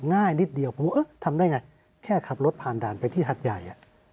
ง่ายนิดเดียวผมว่าทำได้ไงแค่ขับรถผ่านด่านไปที่หัดใหญ่